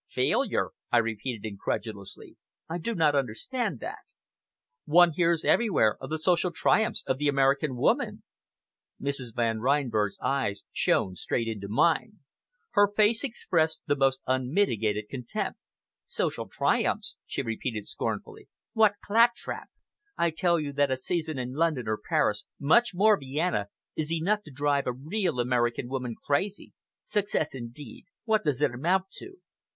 "Failure!" I repeated incredulously. "I do not understand that. One hears everywhere of the social triumphs of the American woman." Mrs. Van Reinberg's eyes shone straight into mine. Her face expressed the most unmitigated contempt. "Social triumphs!" she repeated scornfully. "What clap trap! I tell you that a season in London or Paris, much more Vienna, is enough to drive a real American woman crazy. Success, indeed! What does it amount to?"